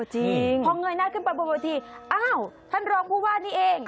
จริงพอเงยหน้าขึ้นไปบนเวทีอ้าวท่านรองผู้ว่านี่เอง